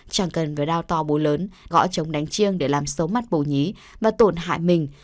chẳng cần với đao to bố lớn gõ chống đánh chiêng để làm xấu mắt bồ nhí và tổn hại mình